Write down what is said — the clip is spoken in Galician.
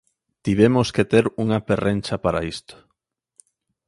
Tivemos que ter unha perrencha para isto.